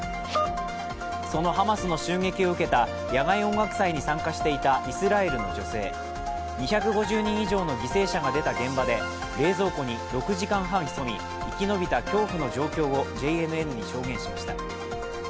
そのハマスの襲撃を受けた野外音楽祭に参加していたイスラエル人の女性２５０人以上の犠牲者が出た現場で冷蔵庫に６時間半潜み生き延びた恐怖の状況をＪＮＮに証言しました。